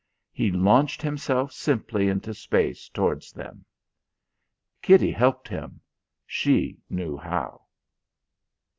He launched himself simply into space towards them. Kitty helped him. She knew how.